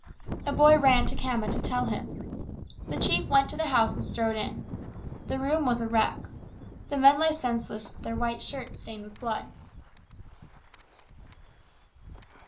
A boy ran to Khama to tell him. The chief went to the house and strode in. The room was a wreck. The men lay senseless with their white shirts stained with blood.